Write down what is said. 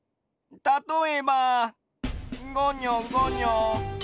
たとえばごにょごにょ。